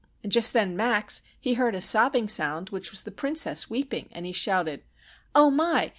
"And just then Max he heard a sobbing sound, which was the Princess weeping, and he shouted,— "'Oh my!